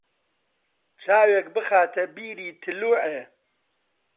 چاوێک بخاتە بیری تلووعێ